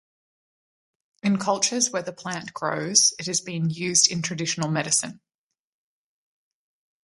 In cultures where the plant grows, it has been used in traditional medicine.